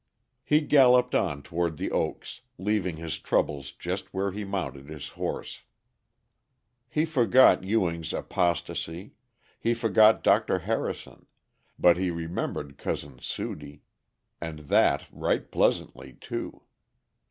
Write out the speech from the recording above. He galloped on toward The Oaks, leaving his troubles just where he mounted his horse. He forgot Ewing's apostasy; he forgot Dr. Harrison, but he remembered Cousin Sudie, and that right pleasantly too.